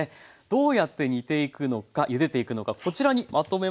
どうやって煮ていくのかゆでていくのかこちらにまとめました。